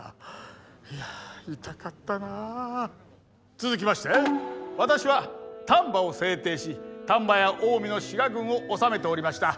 続きまして私は丹波を平定し丹波や近江の志賀郡をおさめておりました。